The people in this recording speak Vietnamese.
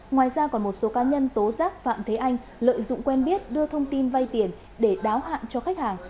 ngoài ra còn một số cá nhân tố giác phạm thế anh lợi dụng quen biết đưa thông tin vay tiền để đáo hạng cho khách hàng